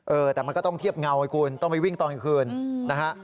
เออแต่มันก็ต้องเทียบเงาให้คุณต้องไปวิ่งตอนกลางคืนนะฮะ